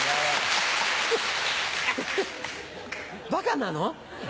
バカなの？